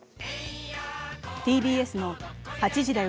ＴＢＳの「８時だョ！